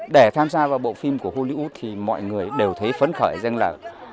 để tham gia vào bộ phim của hollywoo thì mọi người đều thấy phấn khởi rằng là